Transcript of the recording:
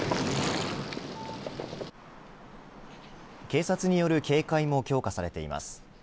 警察による警戒も強化されています。